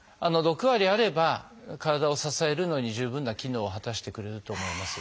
６割あれば体を支えるのに十分な機能を果たしてくれると思います。